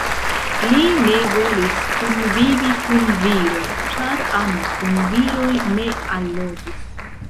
Li ne volis kunvivi kun viro, ĉar amo kun viroj ne allogis.